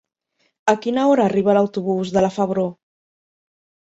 A quina hora arriba l'autobús de la Febró?